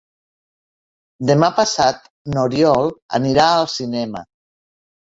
Demà passat n'Oriol anirà al cinema.